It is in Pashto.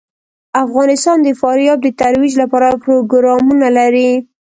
افغانستان د فاریاب د ترویج لپاره پروګرامونه لري.